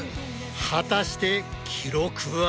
果たして記録は？